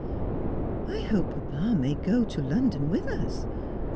' I hope papa may go to London with us.